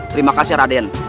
terima kasih raden